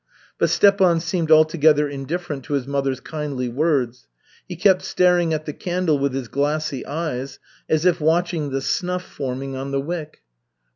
But Stepan seemed altogether indifferent to his mother's kindly words. He kept staring at the candle with his glassy eyes, as if watching the snuff forming on the wick.